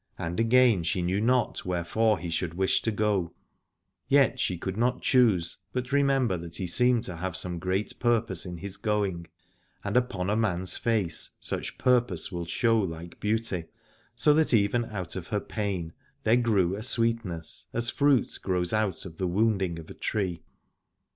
And again she knew not where fore he should wish to go, yet she could not choose but remember that he seemed to have some great purpose in his going; and upon a man's face such purpose will show like beauty, so that even out of her pain there grew a sweetness, as fruit grows out of the wounding of a tree.